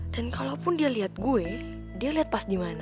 dan kalaupun dia lihat gue dia lihat pas di mana